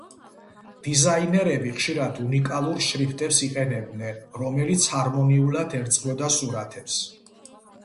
დიზაინერები ხშირად უნიკალურ შრიფტებს იყენებდნენ, რომელიც ჰარმონიულად ერწყმოდა სურათებს.